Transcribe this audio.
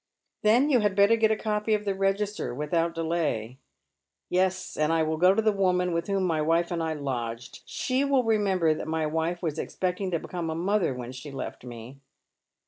" Then you had better get a copy of the register without delay." " Yes, and I will go to the woman with whom my wife and I lodged. She will remember that my wife was expecting to become a mother when she left me.